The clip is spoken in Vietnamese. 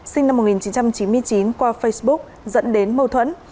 sinh năm một nghìn chín trăm chín mươi chín qua facebook dẫn đến mâu thuẫn